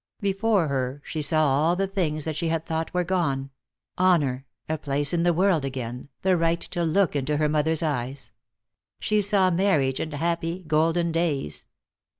Before her she saw all the things that she had thought were gone; honor, a place in the world again, the right to look into her mother's eyes; she saw marriage and happy, golden days.